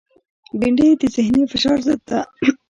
بېنډۍ د ذهنی فشار ضد ده